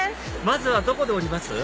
まずはどこで降ります？